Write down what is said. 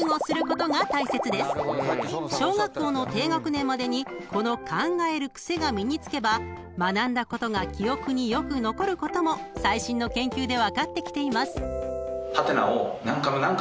［小学校の低学年までにこの考える癖が身に付けば学んだことが記憶によく残ることも最新の研究で分かってきています］